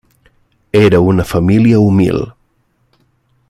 Era una família humil.